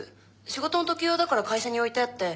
仕事の時用だから会社に置いてあって。